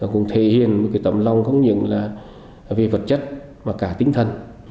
cũng thể hiện một tấm lòng không những là về vật chất mà cả tinh thần